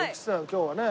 今日はね。